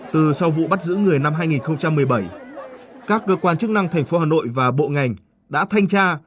từ sau vụ bắt giữ người năm hai nghìn một mươi bảy các cơ quan chức năng thành phố hà nội và bộ ngành đã thanh tra